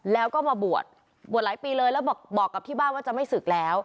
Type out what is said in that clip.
แล้วก็มาบวชบวชหลายปีเลยแล้วบอกกับที่บ้านว่าจะไม่ศึกแล้ว